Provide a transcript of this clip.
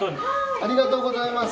ありがとうございます。